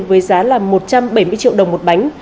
với giá là một trăm bảy mươi triệu đồng một bánh